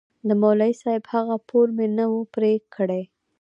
د مولوي صاحب هغه پور مې نه و پرې کړى.